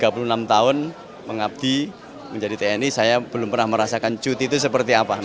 tiga puluh enam tahun mengabdi menjadi tni saya belum pernah merasakan cuti itu seperti apa